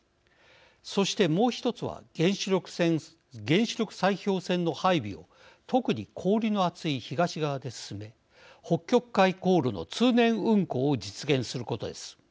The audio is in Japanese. そして、もう１つは原子力砕氷船の配備を特に氷の厚い東側で進め北極海航路の通年運航を実現することです。